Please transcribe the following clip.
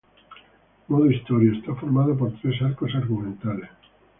Modo Historia: está formado por tres arcos argumentales.